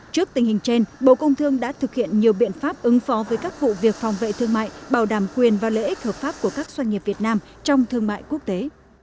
trước tình hình trên bộ công thương đã thực hiện nhiều biện pháp ứng phó với các vụ việc phòng vệ thương mại bảo đảm quyền và lợi ích hợp pháp của các doanh nghiệp việt nam trong thương mại quốc tế